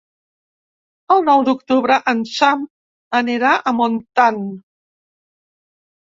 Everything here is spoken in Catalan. El nou d'octubre en Sam anirà a Montant.